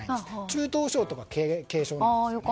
中等傷とか軽傷なんです。